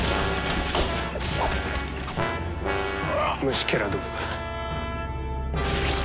虫けらどもが。